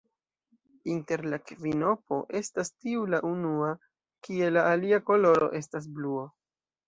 Inter la kvinopo estas tiu la unua, kie la alia koloro estas bluo.